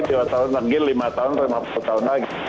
tiga tahun lagi lima tahun lagi lima puluh tahun lagi